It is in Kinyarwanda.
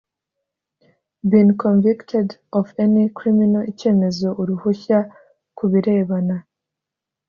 been convicted of any criminal icyemezo uruhushya ku birebana